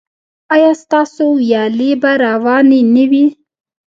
ایا ستاسو ویالې به روانې نه وي؟